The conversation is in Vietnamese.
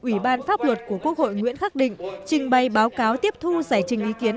ủy ban pháp luật của quốc hội nguyễn khắc định trình bày báo cáo tiếp thu giải trình ý kiến